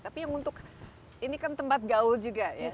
tapi yang untuk ini kan tempat gaul juga ya